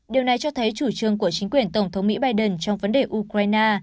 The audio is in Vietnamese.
điều này cho thấy chủ trương của chính quyền tổng thống mỹ biden trong vấn đề ukraine